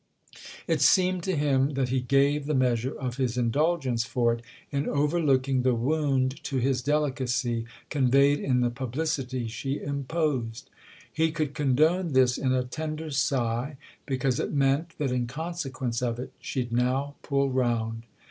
It seemed to him that he gave the measure of his indulgence for it in overlooking the wound to his delicacy conveyed in the publicity she imposed. He could condone this in a tender sigh, because it meant that in consequence of it she'd now pull round.